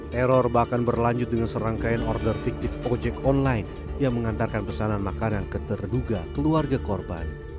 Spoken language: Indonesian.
teror bahkan berlanjut dengan serangkaian order fiktif ojek online yang mengantarkan pesanan makanan ke terduga keluarga korban